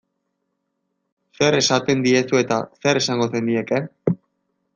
Zer esaten diezu eta zer esango zenieke?